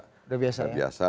sudah biasa ya